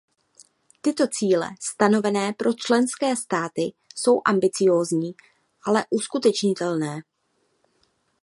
Tyto cíle stanovené pro členské státy jsou ambiciózní, ale uskutečnitelné.